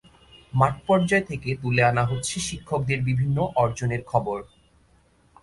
মাঠপর্যায় থেকে তুলে আনা হচ্ছে শিক্ষকদের বিভিন্ন অর্জনের খবর।